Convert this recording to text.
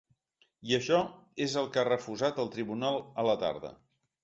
I això és el que ha refusat el tribunal a la tarda.